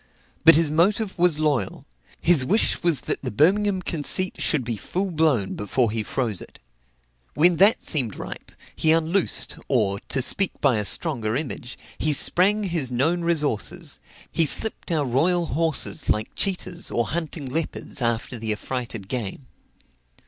But his motive was loyal; his wish was that the Birmingham conceit should be full blown before he froze it. When that seemed ripe, he unloosed, or, to speak by a stronger image, he sprang his known resources, he slipped our royal horses like cheetas, or hunting leopards, after the affrighted game.